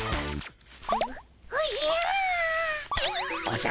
おおじゃ！